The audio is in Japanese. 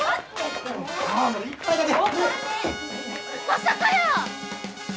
まさかやー！